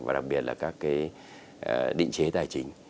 và đặc biệt là các cái định chế tài chính